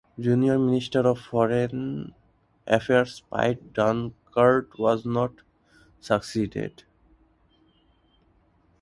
Junior minister of Foreign Affairs Piet Dankert was not succeeded.